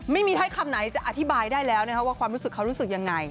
ไม่มีทั้งคำไหนจะอธิบายได้แล้วนะฮะว่าความรู้สึกเขารู้สึกยังไง